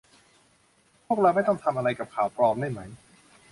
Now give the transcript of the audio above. พวกเราไม่ต้องทำอะไรกับข่าวปลอมได้ไหม